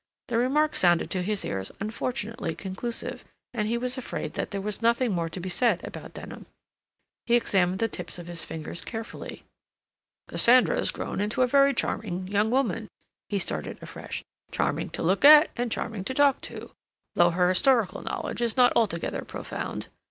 The remark sounded to his ears unfortunately conclusive, and he was afraid that there was nothing more to be said about Denham. He examined the tips of his fingers carefully. "Cassandra's grown into a very charming young woman," he started afresh. "Charming to look at, and charming to talk to, though her historical knowledge is not altogether profound.